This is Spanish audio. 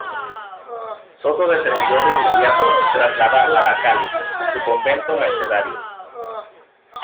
Soto determinó de inmediato trasladarla a Cali, a su convento mercedario.